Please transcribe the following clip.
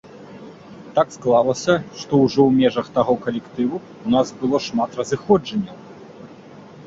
Так склалася, што ўжо ў межах таго калектыву ў нас было шмат разыходжанняў.